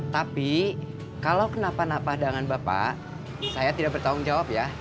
tapi kalau kenapa napa dengan bapak saya tidak bertanggung jawab ya